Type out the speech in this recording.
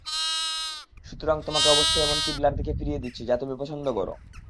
সুতরাং তোমাকে অবশ্যই এমন কিবলার দিকে ফিরিয়ে দিচ্ছি, যা তুমি পছন্দ কর।